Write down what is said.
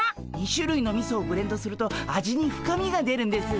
２しゅるいのみそをブレンドすると味に深みが出るんです。